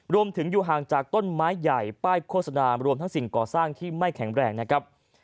อยู่ห่างจากต้นไม้ใหญ่ป้ายโฆษณารวมทั้งสิ่งก่อสร้างที่ไม่แข็งแรงนะครับ